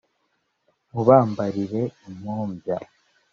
Mubambarire impumbya